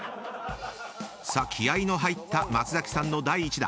［気合の入った松崎さんの第１打］